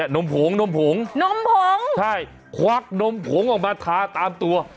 เอ้ยน้ำผงน้ำผงใช่ควักน้ำผงออกมาทาตามตัว